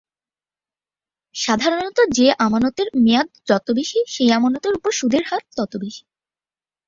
সাধারণত, যে আমানতের মেয়াদ যত বেশি সেই আমানতের উপর সুদের হার তত বেশি।